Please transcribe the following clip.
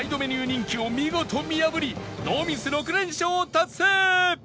人気を見事見破りノーミス６連勝達成！